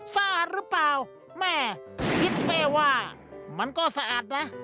ซ่าหรือเปล่าแม่คิดเป้ว่ามันก็สะอาดนะ